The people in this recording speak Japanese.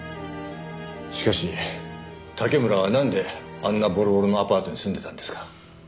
しかし竹村はなんであんなボロボロのアパートに住んでたんですか？